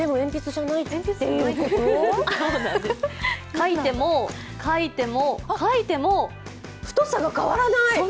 書いても書いても、書いても書いても太さが変わらない！